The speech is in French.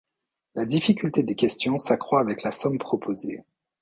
La difficulté des questions s'accroît avec la somme proposée.